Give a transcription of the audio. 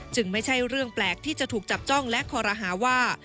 ไม่ใช่เรื่องแปลกที่จะถูกจับจ้องและคอรหาว่า